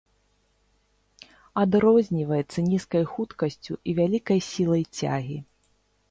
Адрозніваецца нізкай хуткасцю і вялікай сілай цягі.